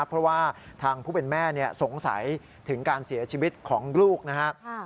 เพราะว่าทางผู้เป็นแม่สงสัยถึงการเสียชีวิตของลูกนะครับ